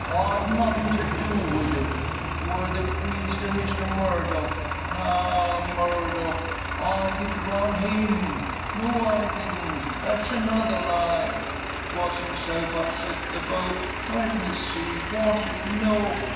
I had nothing to do with it. 'Twar the priest and Mr Murdock. Ha! Murdock! I did drown him. No, I didn't. That's another lie! 'Twas himself upset the boat. Let me see was it? No!